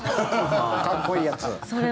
かっこいいやつ。